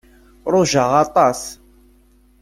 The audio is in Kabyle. Rujaɣ aṭas.